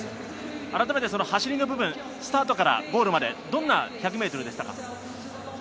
あらためた走りの部分、スタートからゴールまでどんな１００ｍでしたか？